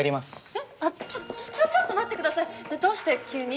えっちょっと待ってくださいどうして急に？